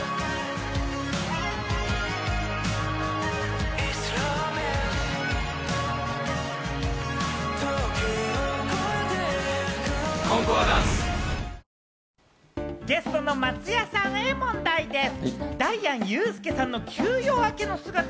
ニトリゲストの松也さんへ問題です。